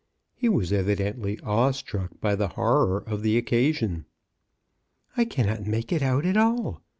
He was evi dently awe struck by the horror of the occa sion. " I cannot make it out at all.